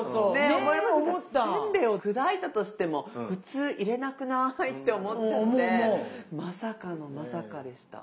だってせんべいを砕いたとしても普通入れなくない？って思っちゃってまさかのまさかでした。